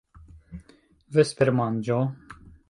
vespermanĝo